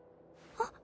あっ。